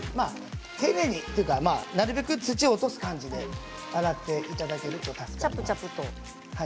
丁寧にというか、なるべく土を落とす感じでチャプチャプと。